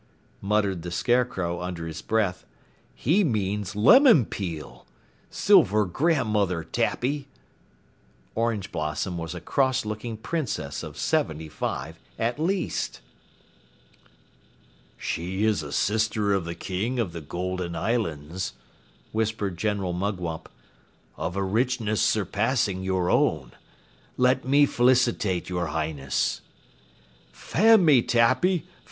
muttered the Scarecrow under his breath. "He means Lemon Peel! Silver grandmother, Tappy!" Orange Blossom was a cross looking Princess of seventy five, at least. "She is a sister of the King of the Golden Islands," whispered General Mugwump. "Of a richness surpassing your own. Let me felicitate your Highness." "Fan me, Tappy!